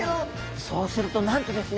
そうするとなんとですね